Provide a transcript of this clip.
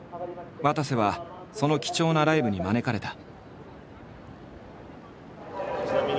わたせはその貴重なライブに招かれた。